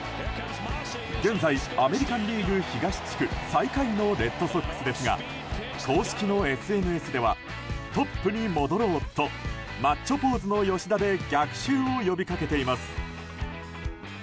現在アメリカン・リーグ東地区最下位のレッドソックスですが公式のＳＮＳではトップに戻ろうとマッチョポーズの吉田で逆襲を呼び掛けています。